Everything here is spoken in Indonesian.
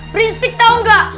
berisik tau gak